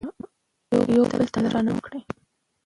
یو بل ته درناوی وکړو.